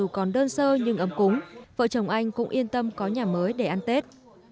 dù còn đơn sơ nhưng ấm cúng vợ chồng anh cũng yên tâm có nhà mới để ăn tết